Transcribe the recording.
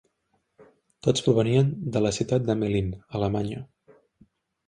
Tots provenien de la ciutat d'Hamelin, a Alemanya.